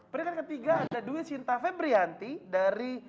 peringkat ketiga ada dwi sinta febrianti dari